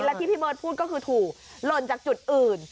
แล้วที่พี่เบิร์ตพูดก็คือถูกหล่นจากจุดอื่น